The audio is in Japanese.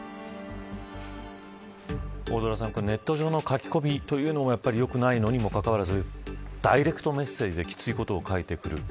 大空さん、ネット上の書き込みというのもよくないのにもかかわらずダイレクトメッセージできついことを書いてくる。